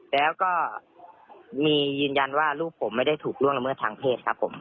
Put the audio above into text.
แล้วก็มียืนยันว่าลูกผมไม่ได้ถูกล่วงละเมิดทางเพศครับผม